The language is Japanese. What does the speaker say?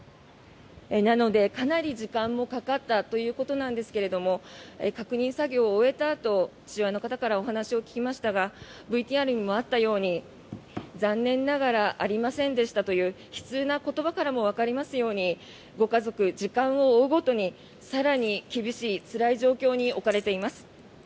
なので、かなり時間もかかったということなんですが確認作業を終えたあと父親の方からお話を聞きましたがＶＴＲにもあったように残念ながらありませんでしたという悲痛な言葉からもわかりますようにご家族、時間を追うごとに更に厳しい、つらい状況に置かれています。